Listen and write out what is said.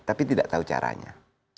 tapi tidak tahu caranya